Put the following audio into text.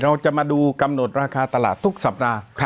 เราจะมาดูกำหนดราคาตลาดทุกสัปดาห์